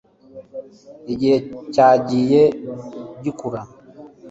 Igihe cyagiye gikura